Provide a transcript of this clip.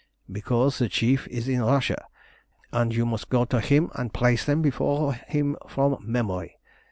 "Because the Chief is in Russia, and you must go to him and place them before him from memory.